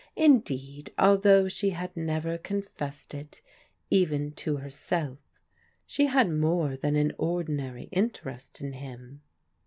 Indeed, although she had never confessed it, even to herself, she had more than an ordinary interest in him.